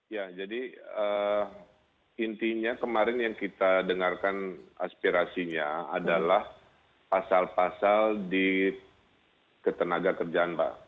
ya jadi intinya kemarin yang kita dengarkan aspirasinya adalah pasal pasal di ketenaga kerjaan mbak